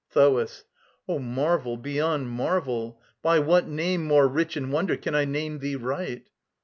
THOAS. O marvel beyond marvel! By what name More rich in wonder can I name thee right?